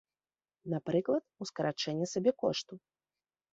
Напрыклад, у скарачэнні сабекошту.